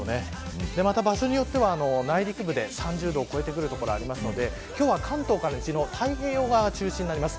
また場所によっては内陸部で３０度を超えてくる所ありますので今日は関東から西の太平洋側を中心になります。